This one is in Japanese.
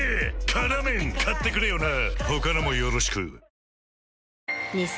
「辛麺」買ってくれよな！